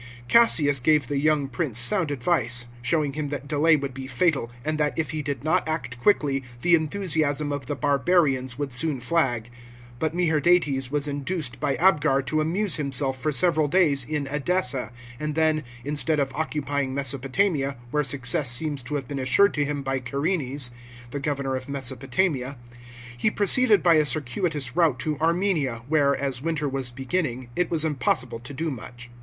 Cassius gave the young prince sound advice, showing him that delay would be fatal, and that if he did not act quickly the enthusiasm of the barbarians would soon flag. But Meherdates was induced by Abgar to amuse himself for several days in Edessa, and then, instead of occupying Mesopotamia, where success seems to have been assured to him by Carenes, the governor of Mesopotamia, he proceeded by a circuitous route to Armenia, where, as winter was beginning, it was impossible to do much.